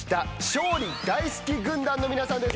勝利大好き軍団の皆さんです。